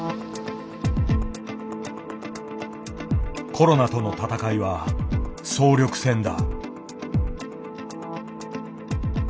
コロナとの闘いは総力戦だ。